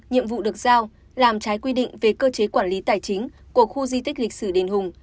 nhiệm vụ được giao làm trái quy định về cơ chế quản lý tài chính của khu di tích lịch sử đền hùng